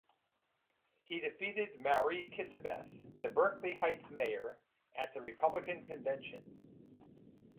He defeated Marie Kissebeth, the Berkeley Heights mayor, at the Republican convention.